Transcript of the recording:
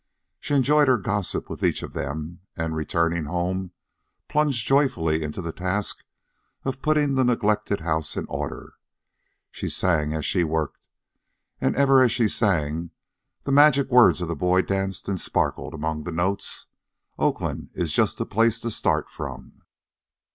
She enjoyed her gossip with each of them, and, returning home, plunged joyfully into the task of putting the neglected house in order. She sang as she worked, and ever as she sang the magic words of the boy danced and sparkled among the notes: OAKLAND IS JUST A PLACE TO START FROM.